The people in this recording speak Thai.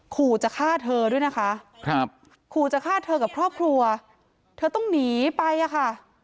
ขู่จะฆ่าเธอด้วยนะคะครับขู่จะฆ่าเธอกับครอบครัวเธอต้องหนีไปอ่ะค่ะ